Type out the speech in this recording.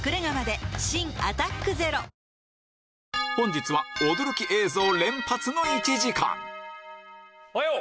本日は驚き映像連発の１時間おはよう。